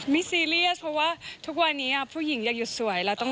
ไม่ซีเรียสเพราะว่าทุกวันนี้ผู้หญิงอยากหยุดสวย